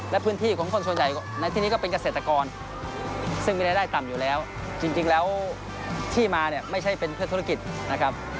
และพื้นที่ของคนส่วนใหญ่ในที่นี้ก็เป็นเกษตรกรซึ่งมีรายได้ต่ำอยู่แล้วจริงแล้วที่มาเนี่ยไม่ใช่เป็นเพื่อธุรกิจนะครับ